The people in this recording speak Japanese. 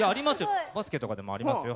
バスケとかでもありますよ。